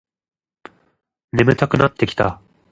眠たくなってきた